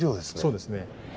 そうですね。